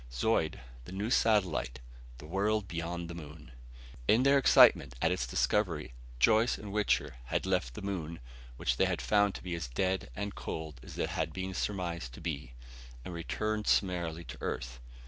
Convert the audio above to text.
Zeud, the new satellite, the world beyond the moon! In their excitement at its discovery, Joyce and Wichter had left the moon which they had found to be as dead and cold as it had been surmised to be and returned summarily to Earth.